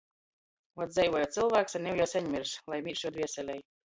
Vot dzeivuoja cylvāks, a niu jau seņ mirs, lai mīrs juo dvēselei.